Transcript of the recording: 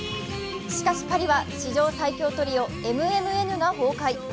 しかし、パリは史上最強トリオＭＭＮが崩壊。